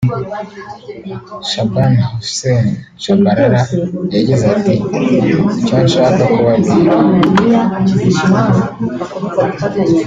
Shaban Hussein Tchabalala yagize ati“Icyo nshaka kubabwira